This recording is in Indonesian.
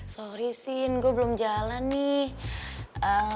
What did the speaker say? sorry scene gue belum jalan nih